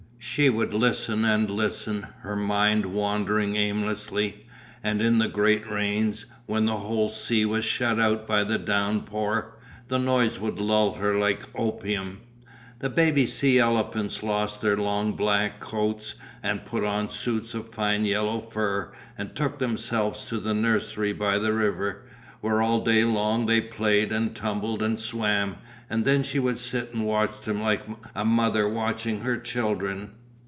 She would listen and listen, her mind wandering aimlessly, and in the great rains, when the whole sea was shut out by the downpour, the noise would lull her like opium. The baby sea elephants lost their long black coats and put on their suits of fine yellow fur and took themselves to the nursery by the river, where all day long they played and tumbled and swam, and then she would sit and watch them like a mother watching her children.